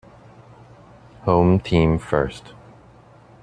"Home team first"